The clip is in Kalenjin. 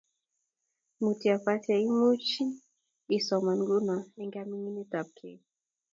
Mutyo pate imuchi isoman nguno eng kaminingetap kei